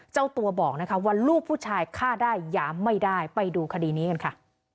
เจ้าตัวบอกนะคะว่าลูกผู้ชายฆ่าได้หยามไม่ได้ไปดูคดีนี้กันค่ะ